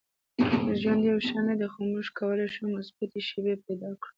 • ژوند یو شان نه دی، خو موږ کولی شو مثبتې شیبې پیدا کړو.